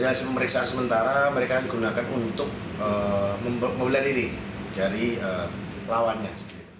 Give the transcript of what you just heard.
dan hasil pemeriksaan sementara mereka gunakan untuk membeli beli dari lawannya